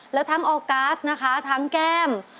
แล้วทั้งออกการ์ดนะคะทั้งแก้ม